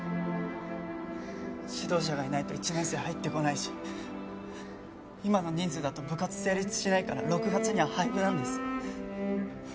指導者がいないと１年生入ってこないし今の人数だと部活成立しないから６月には廃部なんです。